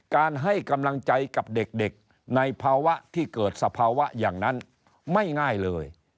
การให้กำลังใจกับเด็กในภาวะที่เกิดสภาวะอย่างนั้นไม่ง่ายเลย